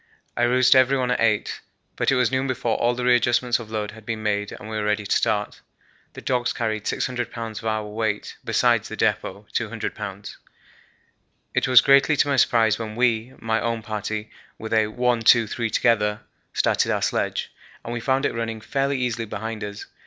I roused everyone at 8, but it was noon before all the readjustments of load had been made and we were ready to start. The dogs carried 600 lbs. of our weight besides the depot (200 lbs.). It was greatly to my surprise when we my own party with a 'one, two, three together' started our sledge, and we found it running fairly easily behind us.